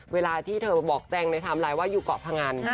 เวลาที่เธอบอกแจ้งในไทม์ไลน์ว่าอยู่เกาะพงัน